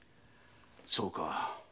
そうか。